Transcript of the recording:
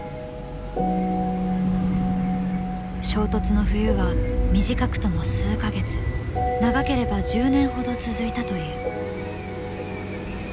衝突の冬は短くとも数か月長ければ１０年ほど続いたという。